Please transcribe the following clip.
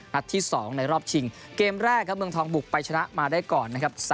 นัดที่๒ในรอบชิงเกมแรกครับเมืองทองบุกไปชนะมาได้ก่อนนะครับ